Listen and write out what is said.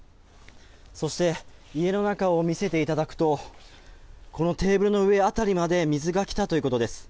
そして家の中を見せていただくとこのテーブルの上辺りまで水が来たということです。